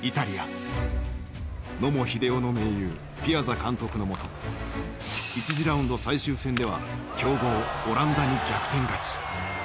野茂英雄の盟友ピアザ監督のもと１次ラウンド最終戦では強豪オランダに逆転勝ち。